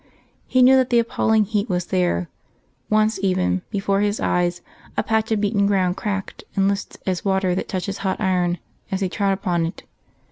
He knew that the appalling heat was there; once even, before his eyes a patch of beaten ground cracked and lisped as water that touches hot iron, as he trod upon it.